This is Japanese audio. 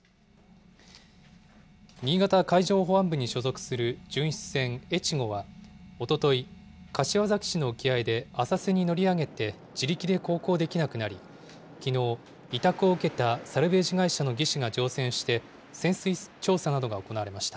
新潟海上保安部に所属する巡視船えちごはおととい、柏崎市の沖合で浅瀬に乗り上げて自力で航行できなくなり、きのう、委託を受けたサルベージ会社の技師が乗船して、潜水調査などが行われました。